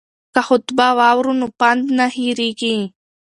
که خطبه واورو نو پند نه هیریږي.